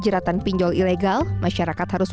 jeratan pinjol ilegal masyarakat harus